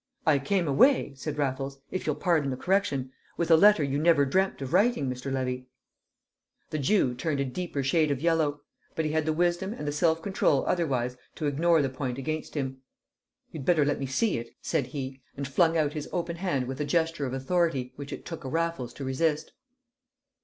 "I came away," said Raffles, "if you'll pardon the correction, with the letter you never dreamt of writing, Mr. Levy!" The Jew turned a deeper shade of yellow; but he had the wisdom and the self control otherwise to ignore the point against him. "You'd better let me see it," said he, and flung out his open hand with a gesture of authority which it took a Raffles to resist.